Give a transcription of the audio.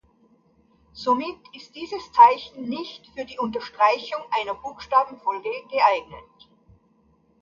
Somit ist dieses Zeichen nicht für die Unterstreichung einer Buchstabenfolge geeignet.